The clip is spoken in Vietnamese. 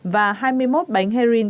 và hai mươi một bánh heroin